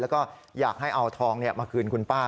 แล้วก็อยากให้เอาทองมาคืนคุณป้า